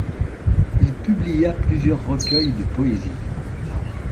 Il publia plusieurs recueils de poésie.